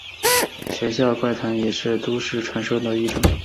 学校怪谈也是都市传说的一种。